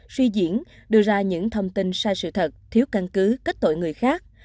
suy diễn đưa ra những thông tin sai sự thật thiếu căn cứ kết tội người khác